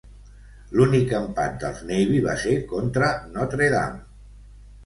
L'únic empat dels Navy va ser contra Notre Dame.